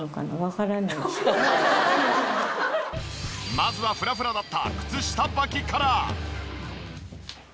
まずはフラフラだった靴下ばきから。